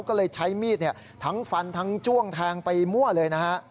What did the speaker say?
ก็เลยใช้มีดทั้งฟันทั้งจ้วงแทงไปมั่วเลยนะฮะ